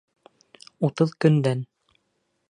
Утыҙ көндән!